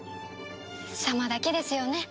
様だけですよね。